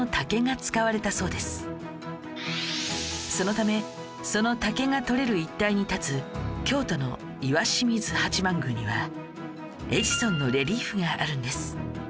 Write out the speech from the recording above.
そのためその竹が採れる一帯に立つ京都の石清水八幡宮にはエジソンのレリーフがあるんです